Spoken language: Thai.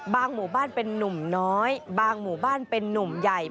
หมู่บ้านเป็นนุ่มน้อยบางหมู่บ้านเป็นนุ่มใหญ่